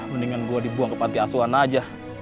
mendingan gue dibuang ke panti asuhan aja